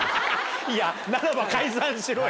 いやならば。